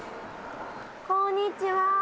こんにちは！